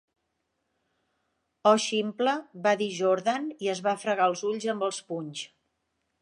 "O ximple", va dir Jordan i es va fregar els ulls amb els punys.